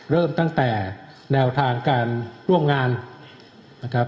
เริ่มตั้งแต่แนวทางการร่วมงานนะครับ